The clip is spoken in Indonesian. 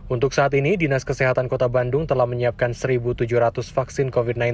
untuk saat ini dinas kesehatan kota bandung telah menyiapkan satu tujuh ratus vaksin covid sembilan belas